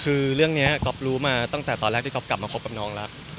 คือเรื่องนี้ก๊อฟรู้มาตั้งแต่ตอนแรกที่ก๊อฟกลับมาคบกับน้องแล้ว